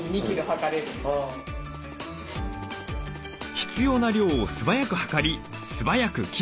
必要な量を素早く量り素早く切る。